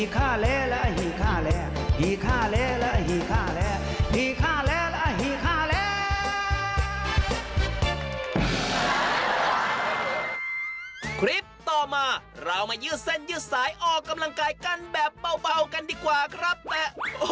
คลิปต่อมาเรามายืดเส้นยืดสายออกกำลังกายกันแบบเบากันดีกว่าครับแต่